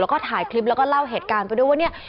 แล้วก็ถ่ายคลิปแล้วก็เล่าเหตุการณ์ไปด้วยว่าเนี่ย